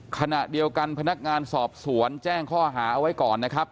ขณะเดียวกันพนักงานสอบสวนแจ้งข้อหาเอาไว้ก่อนนะครับ